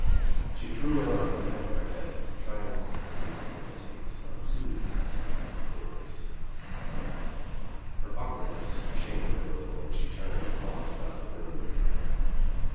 I •, She threw her arms above her head, trying awkwardly I i^ to imitate some movement of the birds. Her awkwardness shamed her a little and she turned and walked about the room.